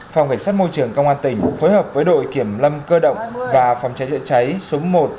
phòng cảnh sát môi trường công an tỉnh phối hợp với đội kiểm lâm cơ động và phòng cháy chữa cháy số một